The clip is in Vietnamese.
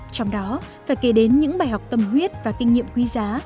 trong đó phải kể đến những bài học tâm huyết và kinh nghiệm quý giá